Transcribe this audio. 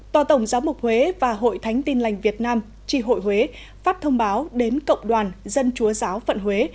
tòa tổng giáo mục huế và hội thánh tin lành việt nam tri hội huế phát thông báo đến cộng đoàn dân chúa giáo phận huế